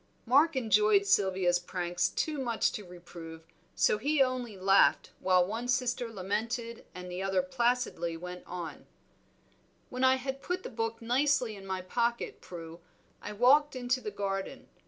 Mark enjoyed Sylvia's pranks too much to reprove, so he only laughed while one sister lamented and the other placidly went on "When I had put the book nicely in my pocket, Prue, I walked into the garden.